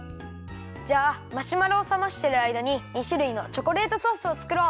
じゃあマシュマロをさましてるあいだに２しゅるいのチョコレートソースをつくろう。